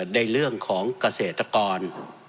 ในเรื่องของเกษตรกร